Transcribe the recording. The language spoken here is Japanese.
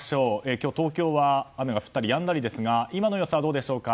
今日、東京は雨が降ったりやんだりですが今の様子はどうでしょうか。